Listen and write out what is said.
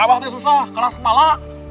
abah tuh susah keras bala